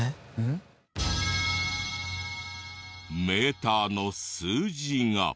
メーターの数字が。